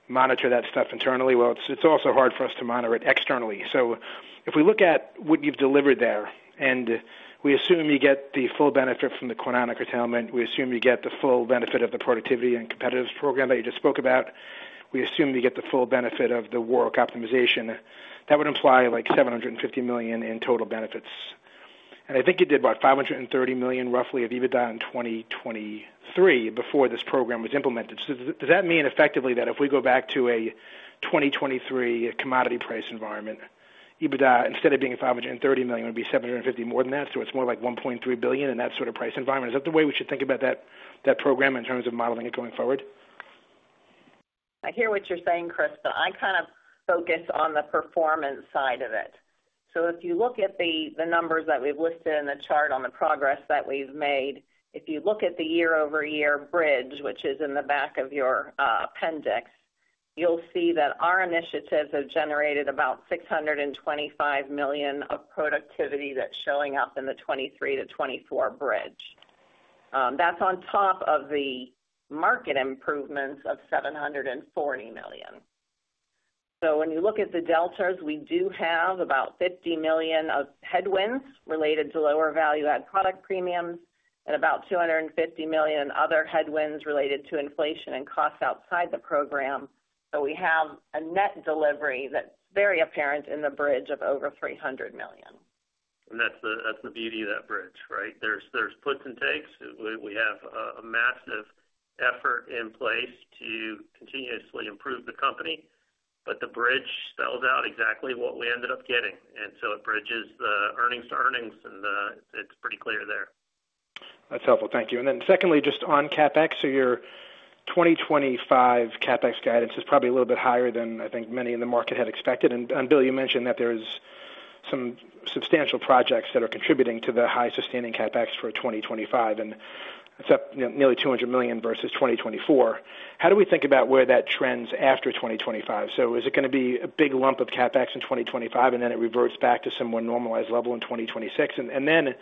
monitor that stuff internally. Well, it's also hard for us to monitor it externally. So if we look at what you've delivered there, and we assume you get the full benefit from the Kwinana curtailment, we assume you get the full benefit of the productivity and competitiveness program that you just spoke about. We assume you get the full benefit of the work optimization. That would imply like $750 million in total benefits. And I think you did what, $530 million roughly of EBITDA in 2023 before this program was implemented. So does that mean effectively that if we go back to a 2023 commodity price environment, EBITDA instead of being $530 million would be $750 more than that? So it's more like $1.3 billion in that sort of price environment. Is that the way we should think about that program in terms of modeling it going forward? I hear what you're saying, Chris, but I kind of focus on the performance side of it. So if you look at the numbers that we've listed in the chart on the progress that we've made, if you look at the year-over-year bridge, which is in the back of your appendix, you'll see that our initiatives have generated about $625 million of productivity that's showing up in the 2023 to 2024 bridge. That's on top of the market improvements of $740 million. So when you look at the deltas, we do have about $50 million of headwinds related to lower value-added product premiums and about $250 million in other headwinds related to inflation and costs outside the program. So we have a net delivery that's very apparent in the bridge of over $300 million. And that's the beauty of that bridge, right? There's puts and takes. We have a massive effort in place to continuously improve the company, but the bridge spells out exactly what we ended up getting. And so it bridges the earnings to earnings, and it's pretty clear there. That's helpful. Thank you. And then secondly, just on CapEx, so your 2025 CapEx guidance is probably a little bit higher than I think many in the market had expected. And Bill, you mentioned that there's some substantial projects that are contributing to the high sustaining CapEx for 2025, and that's nearly $200 million versus 2024. How do we think about where that trends after 2025? So is it going to be a big lump of CapEx in 2025, and then it reverts back to some more normalized level in 2026? And then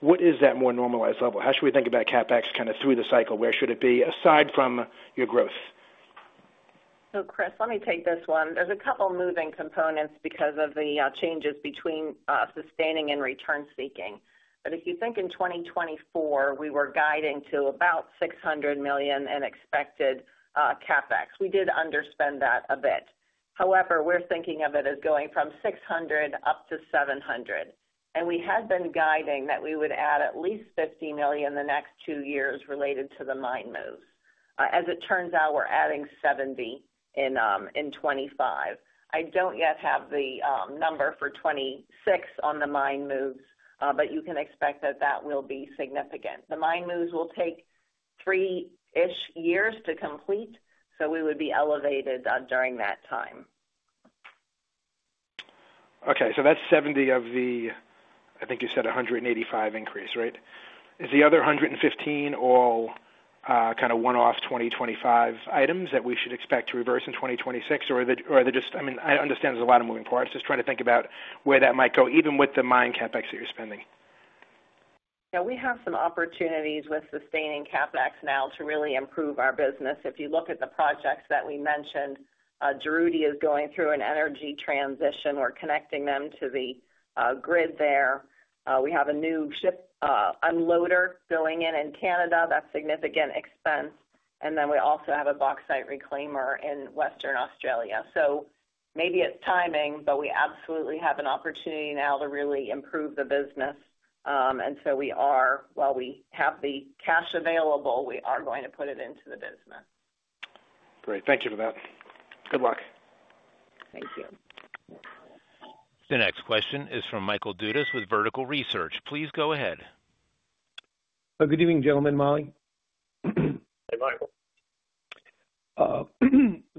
what is that more normalized level? How should we think about CapEx kind of through the cycle? Where should it be aside from your growth? So Chris, let me take this one. There's a couple of moving components because of the changes between sustaining and return-seeking. But if you think in 2024, we were guiding to about $600 million in expected CapEx; we did underspend that a bit. However, we're thinking of it as going from $600 up to $700. And we had been guiding that we would add at least $50 million the next two years related to the mine moves. As it turns out, we're adding $70 million in 2025. I don't yet have the number for 2026 on the mine moves, but you can expect that that will be significant. The mine moves will take three-ish years to complete, so we would be elevated during that time. Okay. So that's $70 million of the, I think you said $185 million increase, right? Is the other $115 all kind of one-off 2025 items that we should expect to reverse in 2026, or are they just, I mean, I understand there's a lot of moving parts? Just trying to think about where that might go even with the mine CapEx that you're spending. Yeah. We have some opportunities with sustaining CapEx now to really improve our business. If you look at the projects that we mentioned, Juruti is going through an energy transition. We're connecting them to the grid there. We have a new ship unloader going in in Canada. That's significant expense. And then we also have a bauxite reclaimer in Western Australia. So maybe it's timing, but we absolutely have an opportunity now to really improve the business. And so we are, while we have the cash available, we are going to put it into the business. Great. Thank you for that. Good luck. Thank you. The next question is from Michael Dudas with Vertical Research. Please go ahead. Good evening, gentlemen. Molly. Hey, Michael.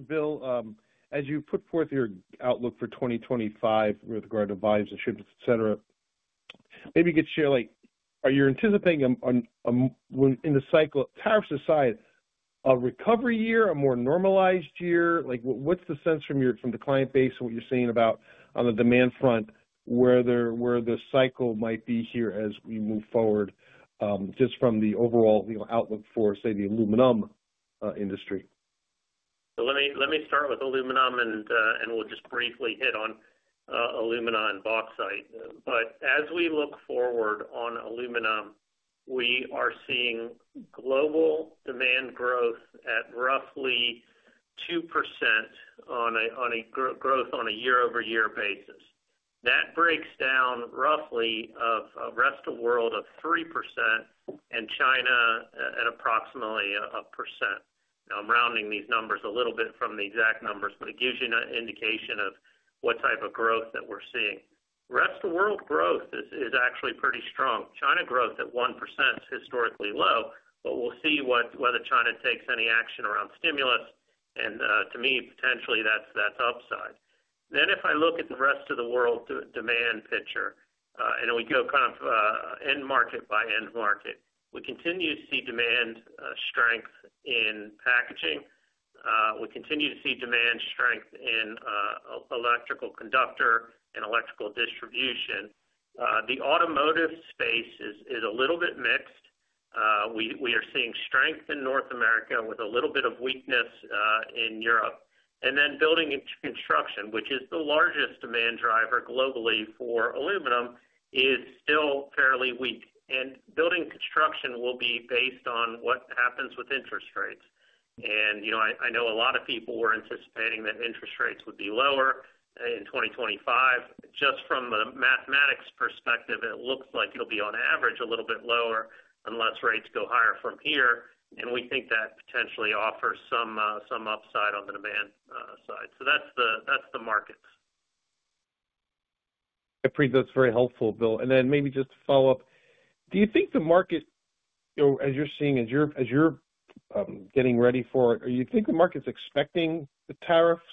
Bill, as you put forth your outlook for 2025 with regard to volumes and shipments, etc., maybe you could share are you anticipating in the cycle, tariffs aside, a recovery year, a more normalized year? What's the sense from the client base of what you're saying about on the demand front, where the cycle might be here as we move forward just from the overall outlook for, say, the aluminum industry? So let me start with aluminum, and we'll just briefly hit on alumina and bauxite. But as we look forward on aluminum, we are seeing global demand growth at roughly 2% growth on a year-over-year basis. That breaks down roughly of rest of world of 3% and China at approximately 1%. Now, I'm rounding these numbers a little bit from the exact numbers, but it gives you an indication of what type of growth that we're seeing. Rest of world growth is actually pretty strong. China growth at 1% is historically low, but we'll see whether China takes any action around stimulus, and to me, potentially, that's upside. If I look at the rest of the world demand picture, and we go kind of end market by end market, we continue to see demand strength in packaging. We continue to see demand strength in electrical conductor and electrical distribution. The automotive space is a little bit mixed. We are seeing strength in North America with a little bit of weakness in Europe. And then building and construction, which is the largest demand driver globally for aluminum, is still fairly weak. And building and construction will be based on what happens with interest rates. And I know a lot of people were anticipating that interest rates would be lower in 2025. Just from a mathematics perspective, it looks like it'll be on average a little bit lower unless rates go higher from here. And we think that potentially offers some upside on the demand side. So that's the markets. I agree. That's very helpful, Bill. And then maybe just to follow up, do you think the market, as you're seeing, as you're getting ready for it, do you think the market's expecting the tariffs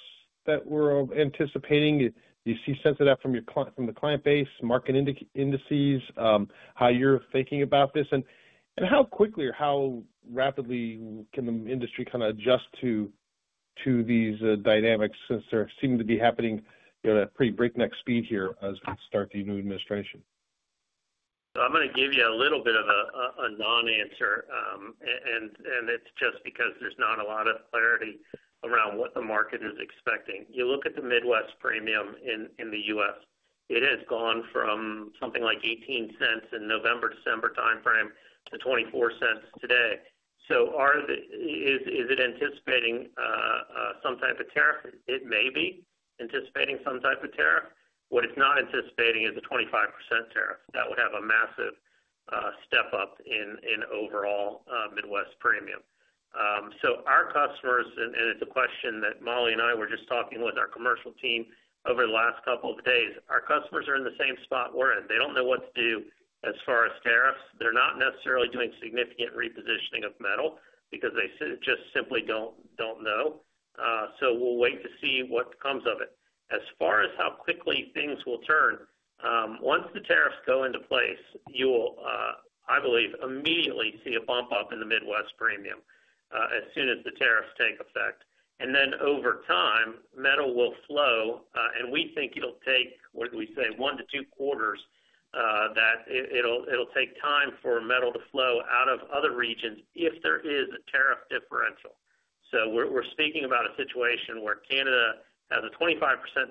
that we're anticipating? Do you see sense of that from the client base, market indices, how you're thinking about this? How quickly or how rapidly can the industry kind of adjust to these dynamics since there seem to be happening at pretty breakneck speed here as we start the new administration? I'm going to give you a little bit of a non-answer. It's just because there's not a lot of clarity around what the market is expecting. You look at the Midwest Premium in the U.S.; it has gone from something like $0.18 in the November-December timeframe to $0.24 today. Is it anticipating some type of tariff? It may be anticipating some type of tariff. What it's not anticipating is a 25% tariff. That would have a massive step up in overall Midwest Premium. So our customers, and it's a question that Molly and I were just talking with our commercial team over the last couple of days, our customers are in the same spot we're in. They don't know what to do as far as tariffs. They're not necessarily doing significant repositioning of metal because they just simply don't know. So we'll wait to see what comes of it. As far as how quickly things will turn, once the tariffs go into place, you will, I believe, immediately see a bump up in the Midwest Premium as soon as the tariffs take effect. And then over time, metal will flow, and we think it'll take, what do we say, one to two quarters, that it'll take time for metal to flow out of other regions if there is a tariff differential. We're speaking about a situation where Canada has a 25%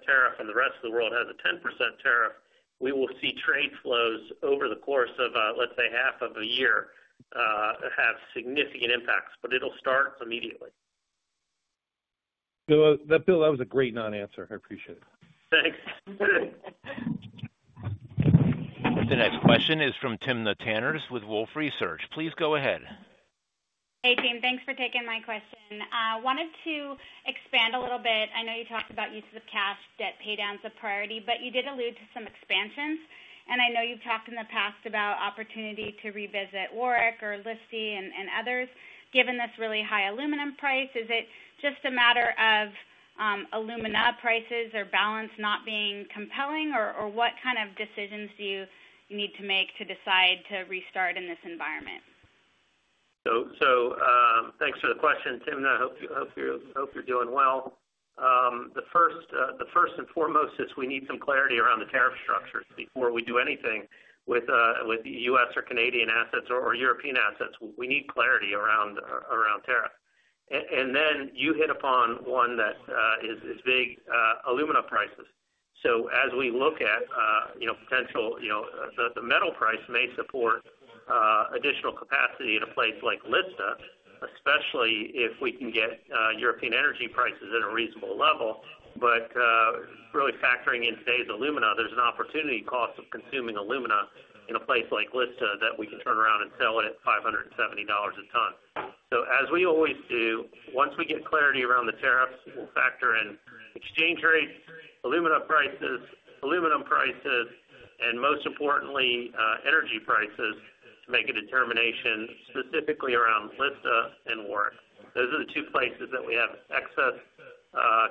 tariff and the rest of the world has a 10% tariff. We will see trade flows over the course of, let's say, half of a year have significant impacts, but it'll start immediately. Bill, that was a great non-answer. I appreciate it. Thanks. The next question is from Timna Tanners with Wolfe Research. Please go ahead. Hey, team. Thanks for taking my question. I wanted to expand a little bit. I know you talked about use of cash, debt paydowns a priority, but you did allude to some expansions, and I know you've talked in the past about opportunity to revisit Warrick or Lista and others. Given this really high aluminum price, is it just a matter of alumina prices or balance not being compelling, or what kind of decisions do you need to make to decide to restart in this environment? So thanks for the question, Timna. I hope you're doing well. The first and foremost is we need some clarity around the tariff structures before we do anything with U.S. or Canadian assets or European assets. We need clarity around tariff. And then you hit upon one that is big, alumina prices. So as we look at potential, the metal price may support additional capacity in a place like Lista, especially if we can get European energy prices at a reasonable level. But really factoring in today's alumina, there's an opportunity cost of consuming alumina in a place like Lista that we can turn around and sell it at $570 a ton. So as we always do, once we get clarity around the tariffs, we'll factor in exchange rates, alumina prices, aluminum prices, and most importantly, energy prices to make a determination specifically around Lista and Warrick. Those are the two places that we have excess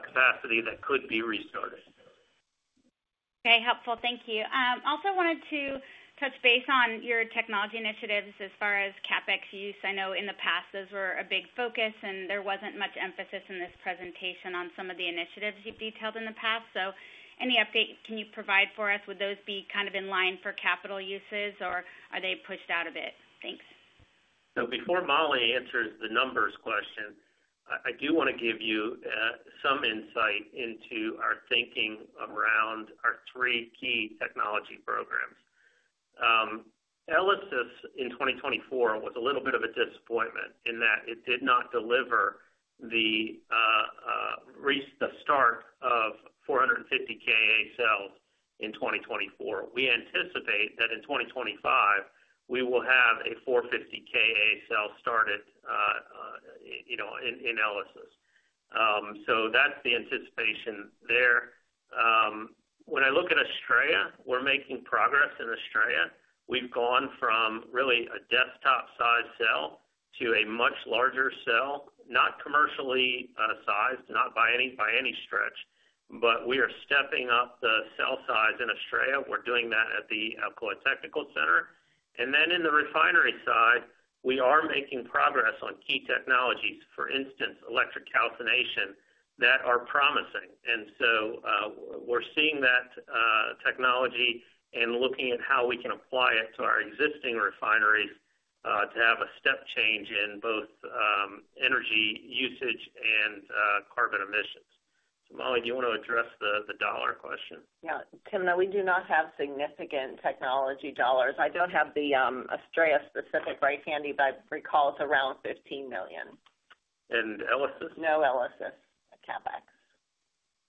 capacity that could be restarted. Okay. Helpful. Thank you. I also wanted to touch base on your technology initiatives as far as CapEx use. I know in the past, those were a big focus, and there wasn't much emphasis in this presentation on some of the initiatives you've detailed in the past. So any update can you provide for us? Would those be kind of in line for capital uses, or are they pushed out a bit? Thanks. So before Molly answers the numbers question, I do want to give you some insight into our thinking around our three key technology programs. ELYSIS, in 2024, was a little bit of a disappointment in that it did not deliver the start of 450 kA cells in 2024. We anticipate that in 2025, we will have a 450 kA cell started in ELYSIS. That's the anticipation there. When I look at Australia, we're making progress in Australia. We've gone from really a desktop-sized cell to a much larger cell, not commercially sized, not by any stretch, but we are stepping up the cell size in Australia. We're doing that at the Alcoa Technical Center. Then in the refinery side, we are making progress on key technologies, for instance, electric calcination that are promising. We're seeing that technology and looking at how we can apply it to our existing refineries to have a step change in both energy usage and carbon emissions. So Molly, do you want to address the dollar question? Yeah. Timna, we do not have significant technology dollars. I don't have the Australia-specific right handy, but I recall it's around $15 million. And ELYSIS? No ELYSIS. CapEx.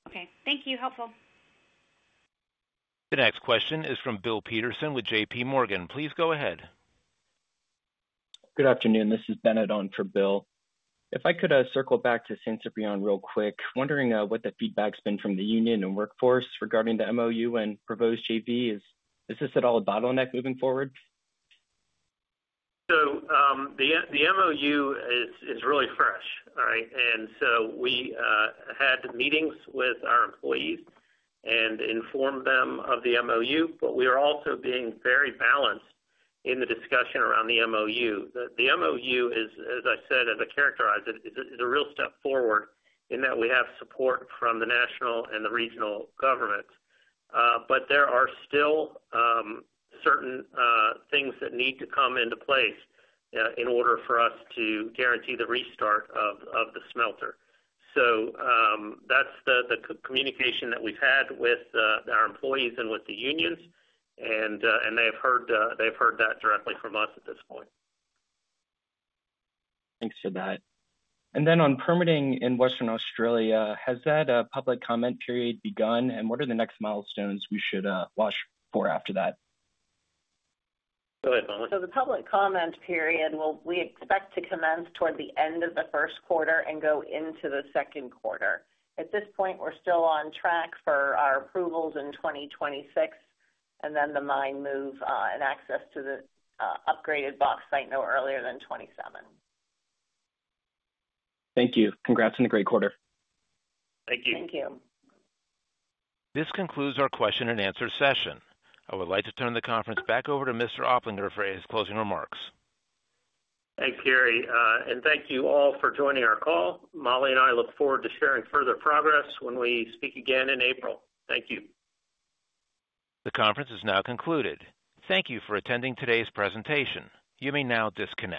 Okay. Thank you. Helpful. The next question is from Bill Peterson with J.P. Morgan. Please go ahead. Good afternoon. This is Bennett on for Bill. If I could circle back to San Ciprián real quick, wondering what the feedback's been from the union and workforce regarding the MOU and proposed JV. Is this at all a bottleneck moving forward? So the MOU is really fresh, all right? And so we had meetings with our employees and informed them of the MOU, but we are also being very balanced in the discussion around the MOU. The MOU, as I said, as I characterized it, is a real step forward in that we have support from the national and the regional governments. But there are still certain things that need to come into place in order for us to guarantee the restart of the smelter. So that's the communication that we've had with our employees and with the unions. And they have heard that directly from us at this point. Thanks for that. And then on permitting in Western Australia, has that public comment period begun? And what are the next milestones we should watch for after that? Go ahead, Molly. So the public comment period, we expect to commence toward the end of the first quarter and go into the second quarter. At this point, we're still on track for our approvals in 2026 and then the mine move and access to the upgraded bauxite no earlier than 2027. Thank you. Congrats on the great quarter. Thank you. Thank you. This concludes our question-and-answer session. I would like to turn the conference back over to Mr. Oplinger for his closing remarks. Thank you, Gary. And thank you all for joining our call. Molly and I look forward to sharing further progress when we speak again in April. Thank you. The conference is now concluded. Thank you for attending today's presentation. You may now disconnect.